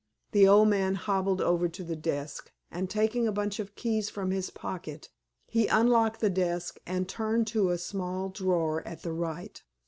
The old man hobbled over to the desk, and taking a bunch of keys from his pocket, he unlocked the desk and turned to a small drawer at the right.